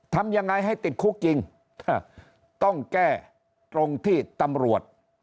ทำยังไงให้ติดคุกจริงต้องแก้ตรงที่ตำรวจ